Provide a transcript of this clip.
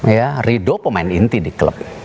ya ridho pemain inti di klub